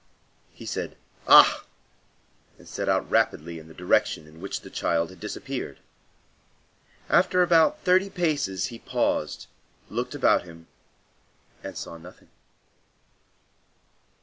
He said, "Ah!" and set out rapidly in the direction in which the child had disappeared. After about thirty paces he paused, looked about him and saw nothing.